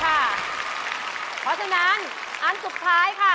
เพราะฉะนั้นอันสุดท้ายค่ะ